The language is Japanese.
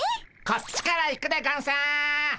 こっちから行くでゴンス！